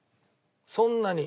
そんなに。